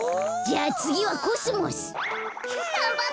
じゃあつぎはコスモス。は！